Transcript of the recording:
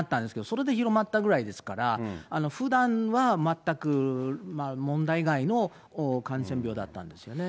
それで広まったぐらいですから、ふだんは全く問題外の感染病だったんですよね。